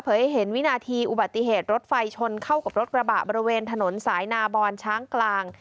ให้เห็นวินาทีอุบัติเหตุรถไฟชนเข้ากับรถกระบะบริเวณถนนสายนาบอนช้างกลาง